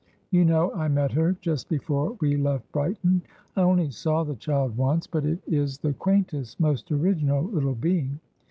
You know I met her just before we left Brighton. I only saw the child once, but it is the quaintest, most original little being!